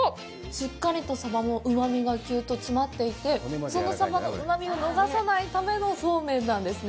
しっかりとサバのうまみがギュッと詰まっていて、そのサバのうまみを逃さないためのそうめんなんですね。